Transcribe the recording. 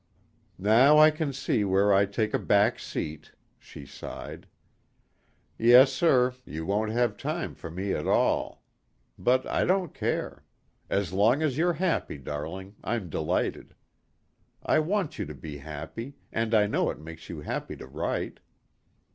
"Now I can see where I take a back seat," she sighed. "Yes sir, you won't have time for me at all. But I don't care. As long as you're happy, darling, I'm delighted. I want you to be happy and I know it makes you happy to write."